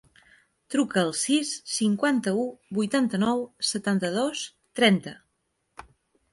Truca al sis, cinquanta-u, vuitanta-nou, setanta-dos, trenta.